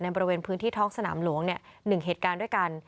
บริเวณพื้นที่ท้องสนามหลวง๑เหตุการณ์ด้วยกัน